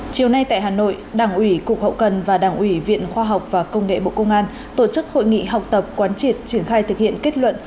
chiều nay tại hà nội đảng ủy cục hậu cần và đảng ủy viện khoa học và công nghệ bộ công an tổ chức hội nghị học tập quán triệt triển khai thực hiện kết luận